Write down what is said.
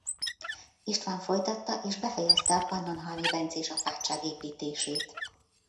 István folytatta és befejezte a pannonhalmi bencés apátság építését.